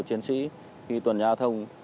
chiến sĩ khi tuần giao thông